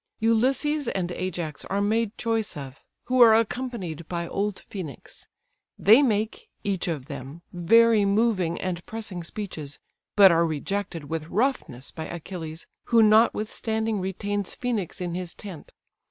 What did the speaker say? Ulysses and Ajax are made choice of, who are accompanied by old Phœnix. They make, each of them, very moving and pressing speeches, but are rejected with roughness by Achilles, who notwithstanding retains Phœnix in his tent.